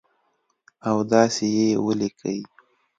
او داسي یې ولیکئ